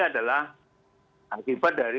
adalah akibat dari